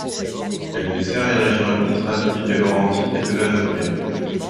Elle dessert les régions administratives des Laurentides et de Lanaudière.